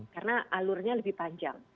karena alurnya lebih panjang